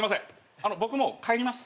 僕もう帰ります。